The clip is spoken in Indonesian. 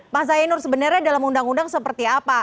pak zainur sebenarnya dalam undang undang seperti apa